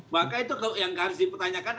maka itu yang harus dipertanyakan